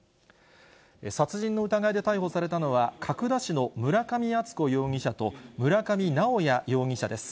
殺人の疑いで逮捕されたのは、角田市の村上敦子容疑者と、村上直哉容疑者です。